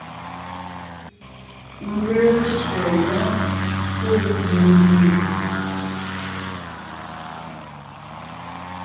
N ge sẅɛ yɔ́ɔn pɔ́ mendìŋe!